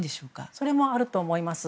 それもあると思います。